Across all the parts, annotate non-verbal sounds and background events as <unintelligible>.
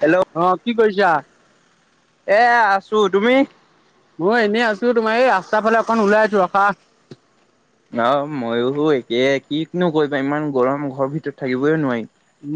Hello অ', কি কৰিছা? এ, আছোঁ, তুমি? ময়ো এনেই আছোঁ, তোমাৰ এই ৰাস্তাৰ ফালে অকণ ওলাই আহিছোঁ ৰখা। অ', মইয়ো একেই কিনো কৰিবা, ইমান গৰম ঘৰৰ ভিতৰত থাকিবই নোৱাৰি।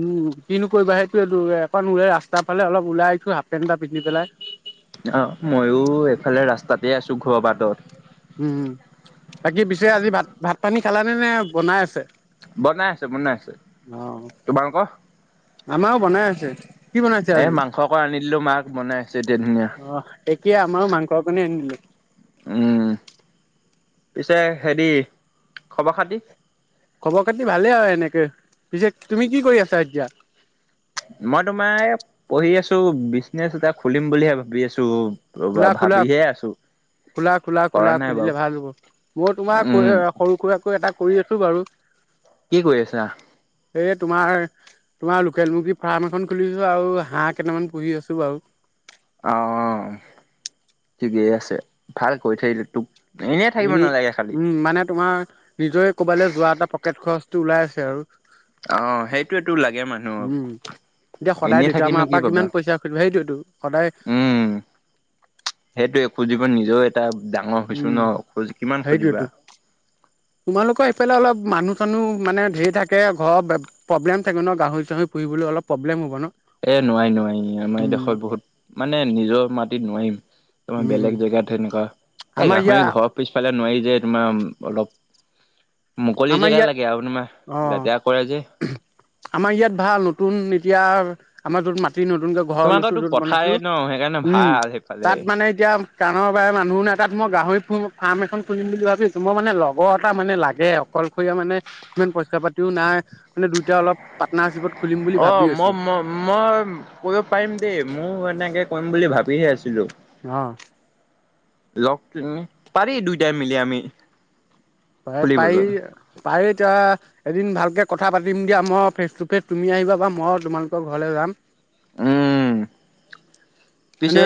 উম, কিনো কৰিবা সেইটোৱেটো, এপাক ৰাস্তাৰ ফালে অলপ ওলাই আহিছোঁ হাফ পেণ্ট এটা পিন্ধি পেলাই। অ'- ময়ো এইফালে ৰাস্তাতে আছো ঘৰ বাটত। উম, খেলা <unintelligible> নে বনাই আছে। বনাই আছে- বনাই আছে। তোমালোকৰ? আমাৰও বনাই আছে। কি এ- মাংস অকন আনি দিলো মাক বনাইছে। আ-হ এতিয়া আমাৰো মাংস অকনে আনী দিলে। উম। পিছে হেৰি খবৰ খাতি- খবৰ খাতি ভালে আৰু এনেকে। পিছে তুমি কি কৰি আছা এতিয়া? মই তোমাৰ এই পঢ়ি আছো বিজনেছ এটা খুলিম বুলি ভাবি আছো। খোলা -খোলা ভাবিহে আছো। খোলা -খোলা- কৰা খোলা নাই বাৰু খুলিলে ভাল হ'ব। মই তোমাৰ উম সৰু-সুৰাকৈ এটা কৰি আছো বাৰু। কি কৰি আছা? তোমাৰ- তোমাৰ লোকেল মুৰ্গী ফাৰ্ম এখন খুলিছো আৰু হাঁহ কেইটামান পুহি আছো বাৰু। অ-অ- ঠিকেই আছে। ভাল কৈছে যে তোক। এনেই থাকিব এনে- নালাগে খালি। উম- মানে তোমাৰ নিজৰে ক'বালৈ যোৱা এটা পকেট খৰচ- টো ওলাই আছে আৰু। অ- সেইটোৱেটো লাগে মানুহক উম। এতিয়া সদায় এনেই দেউতা থাকিনো মাৰ কি পৰা পাবা? কিমান পইচা খুজিব সেইটোৱেটো সদায় উম- সেইটোৱেই একোজি <unintelligible> নিজেও এটা- ডাঙৰ হৈছো ন উম- খোজ কিমান খুজিবা। সেইটোেৱেতো। তোমালোকৰ এইফালে অলপ মানুহ- মানে ধেৰ থাকে ঘৰ প্ৰবলেম চাগে ন? গাহৰি- চাহৰি পুহিবলৈ অলপ প্ৰব্লেম হ'ব ন? এ নোৱাৰি নোৱাৰি, আমাৰ উম দেশৰ বহুত মানে নিজৰ মাটিত নোৱাৰিম, তোমাৰ উম বেলেগ জেগাত তেনেকুৱা। এই, আমাৰ ইয়াৰ গাহৰি ঘৰৰ পিছফালে নোৱাৰি যে। এতো ময় উম অলপ। মুকলি আমাৰ জেগা ইয়াত, লাগে আৰু তোমাৰ অ লেতেৰা কৰে যে আমাৰ ইয়াত ভাল নতুন এতিয়া। আমাৰ তোৰ মাত। তি নতুনকে ঘৰ লৈছো তোমালোকৰতো য'ত বনাইছো, পথাৰে ন সেইকাৰণে উম ভাল সেইফালে। তাত মানে এতিয়া কাণৰ বাই মানুহ নাই তাত মই গাহৰি পু ফাৰ্ম এখন খুলিম বুলি ভাবিছো, মো মানে লগৰ এটা মানে লাগে অ। কলশৰীয়া মানে, ইমান পইচা পাতিও নাই। মানে দুইটা অলপ পাৰ্টনাৰশ্বিপত খুলিম বুলি অ ভাবি আছো মই ম মই কৰিব পাৰিম দেই, মোৰ এনেকে। কৰিম বুলি ভাবিহে আছিলো। অ। লগ তুমি, পাৰি দুইটাই মিলি আমি। পা পাৰি খুলিবলৈ পাৰে এতিয়া, এদিন ভালকে কথা পাতিম দিয়া, মই ফেচ টু ফেচ তুমি আহিবা বা মই তোমালোকৰ ঘৰলৈ যাম। উম। মানে পিছে,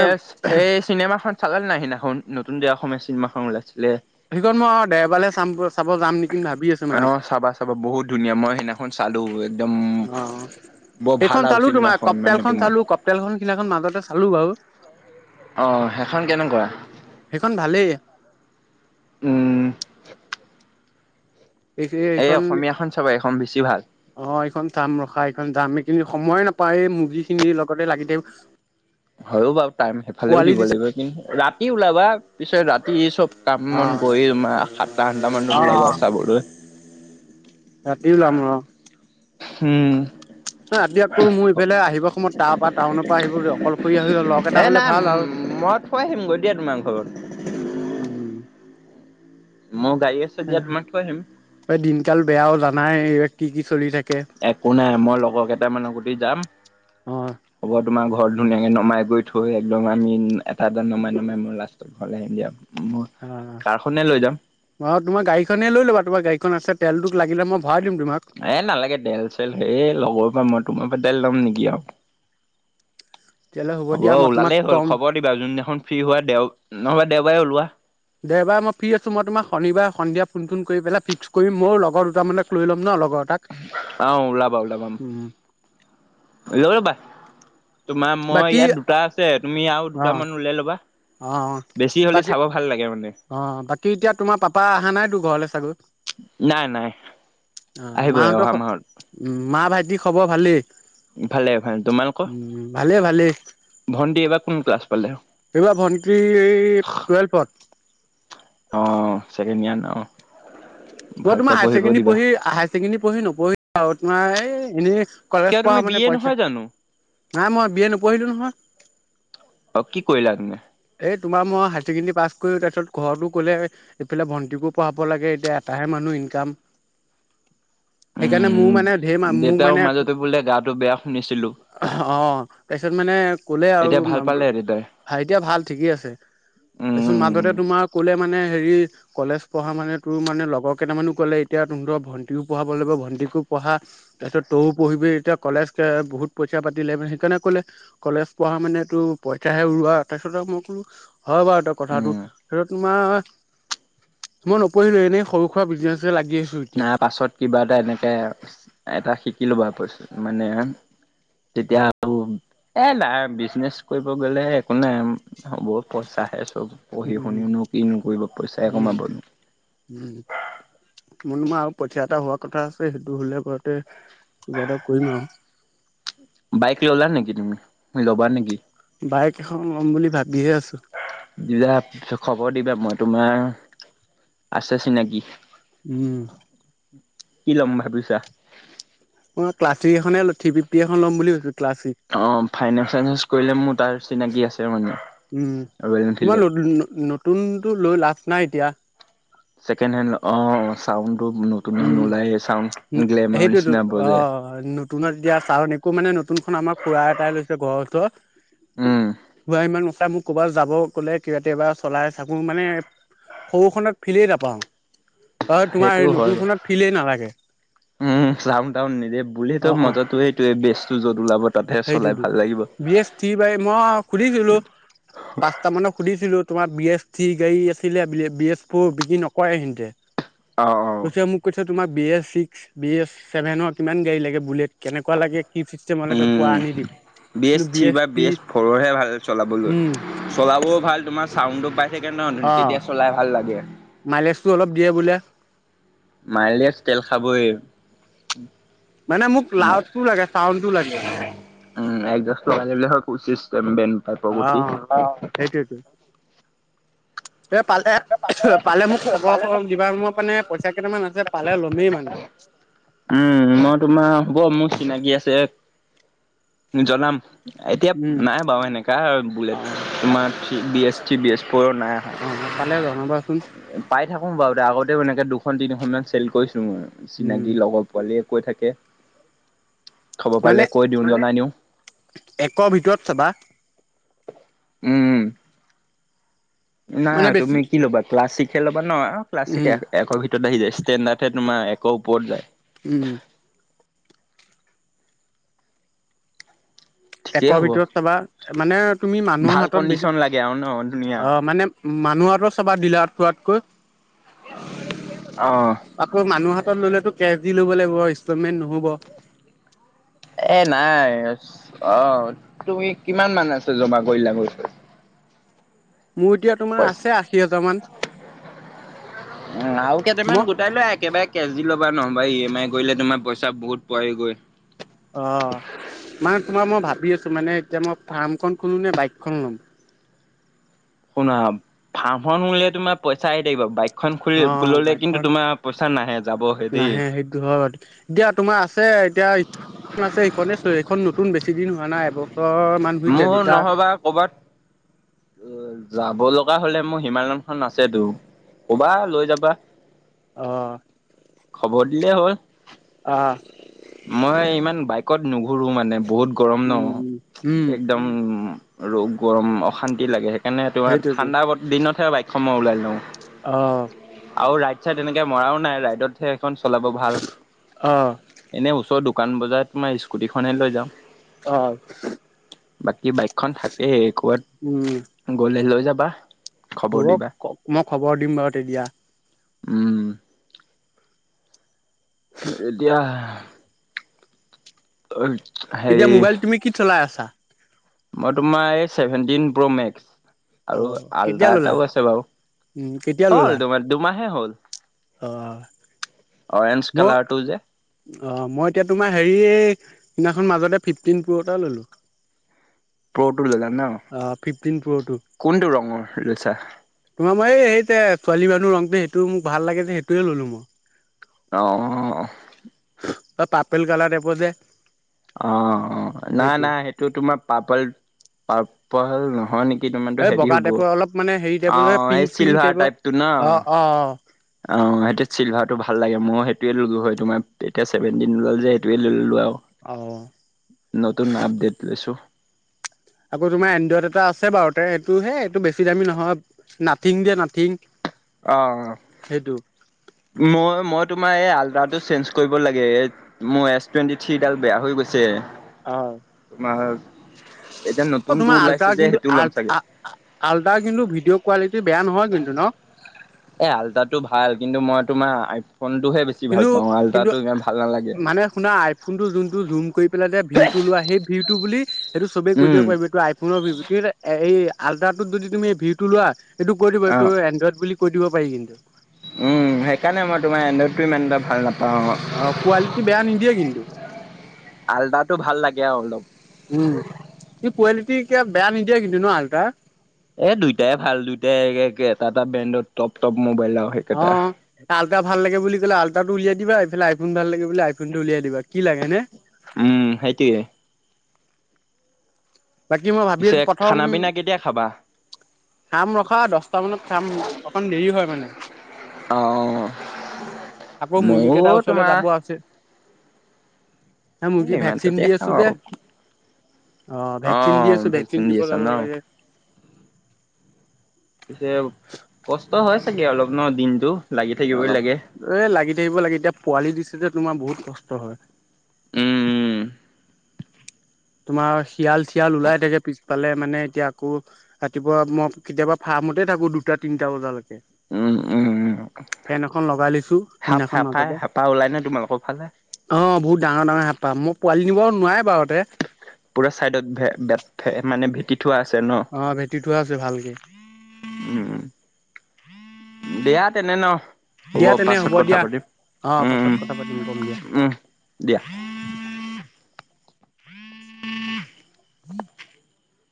এই চিনেমা খন। চালে নাই সিদিনাখন নতুন যে অসমীয়া চিমাখন ওলাইছিলে। সেইখন মই দেওবালে চাম গৈ। অ চাবা চাবা বহুত ধুনীয়া মই সেইদিনাখন। চালো। একদম অ বৰ ভাল এইখন আৰু চালো, তোমাৰ চিনেমাখন মানে কপটেলখন তোমাৰ চালো কপটেল খন সিদিনাখন মাজতে চালো বাৰু। অহ সেইখন কেনেকুৱা? সেইখন ভালেই উমঃ এইখিনি এইখন, চাবা এইখন বেছি ভাল অ এইখন চাম ৰখা এইখন দামি কিনি সময়ে নাপায় মুৰ্গি খিনি লগতে লাগি থাক। হয়ও বাৰু টাইম সেইফালেও দিব দিছে লাগিব, কিন্তু ৰাতি ওলাবা পিছে ৰাত ইছব। কাম মন কৰি তমাৰ সাতটা আঠটা অ মানত ওলাব চাবলৈ। ৰাতি ওলাম উম। অ' ৰাতি আকৌ মোৰ ইফালে আহিবৰ সময়ত তাৰ পৰা টাউনৰ পৰা আহিবলৈ অকলশৰ হয়, লগ এ এটা হলে নাই ভাল আৰু মই থৈ আহিমগৈ দিয়া তোমাৰ ঘৰত উম। মোৰ গাড়ী আছে দিয়া তোমাক থৈ আহিম এই দিনকাল বেয়াও জানাই। কি কি চলি থাক। একো নাই, মই লগৰ কেইটামানৰ সতি যাম অ হ'ব তোমাৰ ঘৰত ধুনীয়াকে নমাই গৈ। থৈ একদম আমি এটা এটা নমাই নমাই মই লাষ্টত ঘৰলৈ আহিম দিয়ক। অ' বাৰ তোমাৰ গাড়ীখনে লৈ ল'বা তোমাৰ গাড়ীখন আছে। তেলটোক লাগিলে মই ভৰাই দিম তোমাক এ নালাগে দেল চেল হে লগৰৰ পৰা মই ত ম পদেল লাম নেয় তেতিয়াহ'লে হ'ব দিয়া মই তোমাক ওলালেই হ'ল ক'ম খবৰ দিবা যোনদিনাখন ফ্ৰী হোৱা দেও নহবা দেওবাৰে ওলোৱা কোন কোন কৰি পেলাই ফিক্স কৰিম মোৰ লগৰ দুটামানক লৈ ল'ম ন লগৰ এটাক আহ ওলাবা ওলাবা উম ব তোমাৰ মই বাকী ইয়াত দুটা আছে তুমি আৰু অ দুটামান ওলাই ল'বা অ' অ' বেছি হ'লে বাকী চাব ভাল লাগে মানে অ বাকী এতিয়া তোমাৰ পাপা অহা নাই তো ঘৰলে চাগত, নাই নাই অ আহিবহ অহা মাহত কি কি খবৰ ভালেই? ইফালেফালে তোমালোক উম ভালেই ভালেই ভন্টি এইবাৰ কোন ক্লাছ পালে? এইবা ভণ্টি টুৱেলভত। অ', ছেকেণ্ড ইয়াৰ ন। মই ভালকে তোমাৰ পঢ়িব হায়ছেকেণ্ডেৰি দিবা পঢ়ি, হায়ছেকেণ্ডেৰি পঢ়ি নপঢ়িলো আও। তোমাৰ হেই এনেই কিয় কলেজ তুমি পঢ়া বি মানে এ নহয় পইচা, জানো নাই মই বি এ নপঢ়িলো নহয়। অ', কি কৰিলা তুমি? এই তোমাৰ মই হায়ছেকেণ্ডৰী পাছ কৰি তাৰপিছত ঘৰতো ক'লে, এইফালে ভণ্টিকো পঢ়াব লাগে এতিয়া এটাহে মানুহ ইনকাম সেইকাৰণে উম মোৰ মানে ধেৰ, মা-মোৰ দেউতাও মানে মাজতে বোলে গাটো বেয়া শুনিছিলো অ', তাৰপিছত মানে ক'লে আৰু এতিয়া ভাল পালে ভ দেউতাই হা এতিয়া ভাল ঠিকে আছে। তাৰপিছত উম মাজতে তোমাৰ ক'লে মানে হেৰি কলেজ পঢ়া মানে তোৰ মানে লগৰ কেইটামানো ক'লে এতিয়া তহঁতৰক ভন্টিও পঢ়াব লাগিব ভন্টিকো পঢ়া তাৰ পিছত তও পঢ়িবি এতিয়া কলেজক বহুত পইচা পাতিলে মানে সেইকাৰণে ক'লে কলেজ পঢ়া মানে তোৰ পইচাহে উৰুৱোৱা তাৰ পিছত মোক, কোনো, হয় বাৰু এ কথাটো! উম তোমাৰ ম মই নপঢ়িলো এনেই সৰু সুৰা বিজনেছ নাৰ পাছত কিবা এটা এনেকে এটা শিক ইল ব প পৰিছ। মানে তেতিয়া অ আৰু এ বিজনেছ কৰিব গ'লে একো নাই হ'ব পইচাহে চব পঢ়ি উম শুনিওনো কিনোকৰিব পইচাই উম কমাবনো মোৰো আৰু পইছা এটা হোৱা কথা আছে সেইটো হ'লে ঘৰতে কিবা এটা কৰিম আৰু বাইক ললা নেকি তুমি ল'বা নেকি বাইক এখন ল'ম বুলি ভাবিযহে আছো। দিবা খবৰ দিবা মই তোমাৰ আছে চিনাকি উম কি ল'ম ভাবিছা মই ক্লাছিক এখনে থি ফিফটি এখন ল'ম বুলি ভাবিছোঁ। অ ফাইনেন্স চানেইন্স কৰিলে মোৰ তাৰ চিনাকি আছে মানে উম ৰয়েল এনফিল্ডত। তোমাৰ নতুনটো লৈ লাভ নাই এতিয়া ছেকেণ্ড হেণ্ড অ চাউণ্ড নতুন উম নোলায় গ্লেমাৰৰ সেইটো নিচিনা অ বজে। নতুনত এতিয়া চাউণ্ড একো মানে নতুনখন আমাৰ খুৰা এটাই লৈছে ঘৰ ক উম, <inaudible> হয়াইমান <unintelligible> <unintelligible> এটা মোক ক'ৰবাত যাব গ'লে কেতিয়াবা চলাই থাকো মানে সৰুখনক ফিলেই নাপাওঁ। হয় তোমাৰ সেইটো হয় নতুনখনত ফিলেই নালাগে উম চাওন তাওন নিদে অ বুলেতই অ মজাতো সেইটোয়ে বেছ চুজত ওলাব তাতহে চলাই সেইটোতো ভাল লাগিব। বি এছ থ্ৰি বাইক মই সুধিছিলো পাঁচটা মানত সুধিছিলো তোমাৰ বি এছ থ্ৰী গাড়ী আছিলে বি এছ ফৰ বিক্ৰী নকৰে সিহঁতে অ', অ', কৈছে মোক কৈছে তোমাক B S six B S ছেভেনৰ কিমান গাড়ী লাগে বুলেট কেনেকুৱা লাগে সি ফিষ্টেমলগত <unintelligible> <unintelligible> উম বি এছ থ্ৰী বা বি এছ ফ'ৰৰ হে ভাল চলাবলৈ উম চলাবও ভাল তোমাৰ চাউণ্ডটো পায়। অ মাইলেজটো অলপ দিয়ে বোলে মাইলেজ তেল খাবই মানে মোক লাউডটো লাগে চাউণ্ডটো লাগে <unintelligible> উম একজাজ লগাই ললে হল পচিছ তাৰ অ পৰবৰ্তী অ সেইটোৱেতো এই পালে পালে মোক খবৰ খ দিবা মই মানে পইচা কেইটামান আছে পালে লমেই মানে। উম মই তোমাৰ হ'ব মোৰ চিনাকি আছে জনাম। এতিয়া উম নাই বাৰু সেনেকা বুলেট অ তোমাৰ B S three B S ফ্ৰ অ পালে জান বাৰ! পাই থাকোম বাৰু দে আগতেও এনেকে দুখন তিনিখন মান চেল কৰিছো। ু উম চিনাকি লগৰ পোৱালি কৈ থাকে খবৰ মানে পাৰিলে কৈ দিওঁ জাই নিওঁ একৰ ভিতৰত চাবা উম! নাই মানে বেছি তুমি কি ল'বা ক্লাছিক ন ক্লাছিক উম এক ভিতৰত, আহি যায় ষ্টেডাৰহ তমাৰ একো ওপৰত যায়, উম! ঠিকেই একৰ হ'ব ভিতৰত তাৰ মানে তুমি মানুহৰ ভাল হাতত বেছি কণ্ডিচন লাগে আৰু ন' ধুনীয়া অ মানে মানুহৰ হাতত চাবা ডিলাৰত চোৱাতকৈ। অ'। আকৌ, মানুহৰ ল'লেতো কেচ দি ল'ব লাগিব, ইনষ্টলমেন্ট নহ'ব। এ, নাই অ', তুমি কিমান মান আছে জমা কৰিলা গৈ? মোৰ এতিয়া তোমাৰ পইচা? আছে আশি হেজাৰ মান। উম আৰু কেইটামান মই গোটাই লোৱা একেবাৰে কেচ দি ল'বা নহ'বা ই এম আই কৰিলে তোমাৰ পইচা বহুত পৰেগৈ। অ', মানে তোমাৰ মই ভাবি আছোঁ মানে এতিয়া মই ফাৰ্মখন খোলোনে বাইকখন ল'ম? শুনা, ফাৰ্মখন খুলিলে তোমাৰ পইচা আহি থাকিব, বাইক অ', বাইকখন নাহে যাবহে দেই নাহে, সেইটো হয়, দিয়া তোমাৰ আছে এতিয়া আছে <unintelligible> ইখন নতুন বেছি দিন হোৱা নাই, এব মোৰ নহ'বা কৰ'বাত যাব লগা হ'লে মোৰ হিমালয়নখন আছেতো, ক'বা লৈ যাবা। অঁহ। খবৰ দিলে হ'ল। মই ইমান বাইকত নুঘো ঘোৰু মানে। বহুত গৰম ন। উম উম একদম আৰু গৰম অশান্তি লাগে। সেইকাৰণে তোমাৰ সেইটোতো ঠাণ্ডা দিনতহে বাই <unintelligible> ওলাই যাওঁ। অহ। আৰু ৰাইত ছাইড এনেকে মৰাও নাই ৰাইটতহে খন চলাব ভাল অ এনে ওচৰ দু দোকান বজাৰত তোমাৰ স্কুটিখনে লৈ যাওঁ। অহ। বাক বাকী বাইকখন থাকেই ক'বাত উম গ'লে লৈ যা বাহ হ'ব, মই খবৰ দিম বাৰু তেতিয়া। উম। এতিয়াহ <unintelligible> এতিয়া, মোবাইল তুমি কি চলাই আছা? মই তোমাৰ এই ছেভেন টিন প্ৰ মেক্স অ আৰু কেতিয়া আলতা ললা? এটাও আছে বাৰু উম কেতিয়া ললা? হল দুমাহ দুমাহে হ'ল। উ <inaudible> অ মই কালাৰটো যে অ মই এতিয়া তোমাৰ হেৰি সদিনাখন মাজতে ফিফটিন পুৰটা ললো। প্ৰটো লজা ন অ ফিফটিন প্ৰ'টো। কোনটো ৰঙৰ লেচা? তোমাৰ মই এই সেই ছোৱালী মানুহ ৰংটো সেইটো মোক ভাল লাগে যে সেইটোৱে ললো মই। অ ত পাপেল কালাৰ এপ দে অ অ নাই নাই সেইটো তোমাৰ পাৰল প উপাল নহয় নেকি? তোমাৰতো এই হেৰি বগা হ'ব টাইপৰ অলপ মানে হেৰি টাইপৰ অ', এই পিংক পিংক চিলভাৰ টাইপটো ন? টাইপৰ অঁ অঁ। অ সেইটো চিলভাটো ভাল লাগে মই সেইটোৱে ললো হয় তোমাৰ এতিয়া চছেভেনটিন ওল যেইটোয়ে ললো আৰু। অ। নতুন আপদেট লৈছো। আকৌ তোমাৰ এনড্ৰইড এটা আছে বাৰু তে এইটো হে এইটো বেছি দামী নহয় নাথিং দিয়ে নাথিং অঁ, সেইটো। মই মই তোমাৰ এই আলটাটো চেঞ্জ কৰিব লাগে এই মোৰ এছ টুৱেণ্টি থ্ৰীডাল বেয়া হৈ গৈছে। অঁ তোমাৰ এতিয়া অঁ নতুনটো তোমাৰ আল্টা ওলাইছে যে কিন্তু সেইটো আ ল'ম চাগে। আল্টাৰ কিন্তু ভিডিঅ' কোৱালিটি বেয়া নহয় কিন্তু ন? এ আলতাতটো ভাল কিন্তু মই তোমাৰ আইফোনটোহে বেছি ভাল কিন্তু পাওঁ কিন্তু আল্ট্ৰাটো ইমান ভাল নালাগে। মানে শুনা আইফোনটো যোনটো জুম কৰি পেলাই যে ভিউটো লোৱা সেই ভিউ টো বুলি সেইটো চবে ক কৰি উম, দিব পাৰিব এইটো আইফোনৰ আল্ৰাটোত যদি তুমি এই ভিউটো লোৱা এইটো কৰি দিব অ'। এইটো এনড্ৰইড বুলি কৰি দিব পাৰি কিন্তু। উম সেইকাৰণে মই তোমাৰ এনদ্ৰটো ইমান এটা ভাল নাপাও। অ কোৱালিটি বেয়া নিদিয়ে কিন্তু। আলদাটো ভাল লাগে অলদম। উ কোৱালিটি ক বেয়া নিদিয়ে কিন্তু ন আালতটা? এ দুইটাই ভাল দুইটাই এটা এটা ব্ৰেণ্ডৰ টপ টপ ম অ কালত ভাল লাগে বুলি কলে আল্টা টো উলিয়াই দিব এইফাল আইফোন ভাল লাগে বুলি আইফোন উলাই দিব কি লাগে হয় নে? উম সেইটোৱেই। বাকী মই ভাবি পিছে আছো প্ৰথম খানা পিনা কেতিয়া খাবা? খাম ৰখা দশটা মানত খাম অকণ দেৰি হয় মানে। অঁ। আকৌ মুৰ্গী কেইটাৰ ওচৰলৈ যাব আছে। হ মই এ কি ইমান ভেকচিন তাতে দি আছো খাওঁ যে। আৰু কি অহ' ভেকচিন দি অ', আছোঁ, ভেকচিন দি দিব আছা যাব ন লাগে। পিছে কষ্ট হয় চাগে অলপ ন দিনটো লাগি থাকিবই অলপ লাগে। এই লাগি থাকিব লাগে। এতিয়া পোৱালি দিছে যে তোমাৰ বহুত কষ্ট হয়। উম, তোমাৰ শিয়াল চিয়াল ওলাই থাকে পিছফালে মানে এতিয়া আকৌ ৰাতিপুৱা মই কেতিয়াবা ফাৰ্মতে থাকোঁ দুটা তিনটা বজালৈকে। উম, উম, উম, ফেন এখন লগাই লৈছোঁ। সাপ সিদিনাখন সাপাই মাজতে সাপা ওলাই নে তোমালোকৰ ফালে? অ' বহুত ডাঙৰ ডাঙৰ হেঁপাহ মই পোৱালি নিব নোৱাৰে বাৰুতে। পুৰা চাইডত ভে ভে ভেট মানে ভেটি থোৱা আছে ন? আহ ভেটি উঠোৱা আছে ভালকে। উম, দিয়া তেনে ন। হ'ব দিয়া তেনে পাছত কথা দিয়া পাতিম অ উম পাছত কথা পাতিম কম দিয়া। উম উম দিয়া। হম।